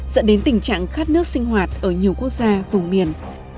dẫn đến tình trạng khát nước sinh hoạt ở nhiều quốc gia vùng miền